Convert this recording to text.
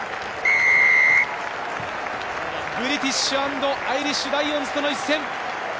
ブリティッシュ＆アイリッシュ・ライオンズとの一戦。